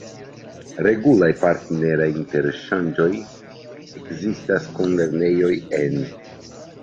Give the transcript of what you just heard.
Regulaj partneraj interŝanĝoj ekzistas kun lernejoj en...